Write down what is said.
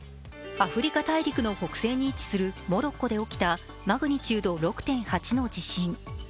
アフリカ大陸の北西に位置するモロッコで起きたマグニチュード６．８の地震。